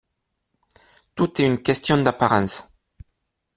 Tout est une question d’apparence.